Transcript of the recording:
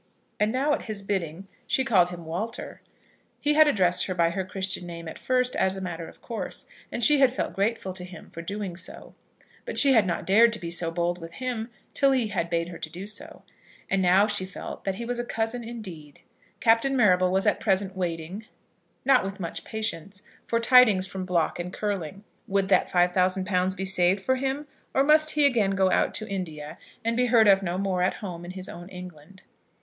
And now at his bidding she called him Walter. He had addressed her by her Christian name at first, as a matter of course, and she had felt grateful to him for doing so. But she had not dared to be so bold with him, till he had bade her do so, and now she felt that he was a cousin indeed. Captain Marrable was at present waiting, not with much patience, for tidings from Block and Curling. Would that £5000 be saved for him, or must he again go out to India and be heard of no more at home in his own England?